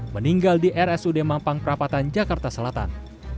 meninggal di rsud mampang perapatan jakarta selatan